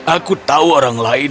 aku tahu orang lain